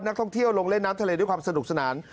นักท่องเที่ยวลงเล่นน้ำทะเลด้วยความสนุกสนาน